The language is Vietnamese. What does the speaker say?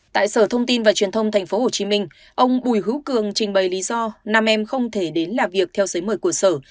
tại sở thông tin và truyền thông tp hcm ông bùi hữu cường trình bày lý do nam em không thể đến làm việc theo giấy mời của sở